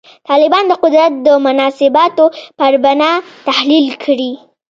طالبان د قدرت د مناسباتو پر بنا تحلیل کړي.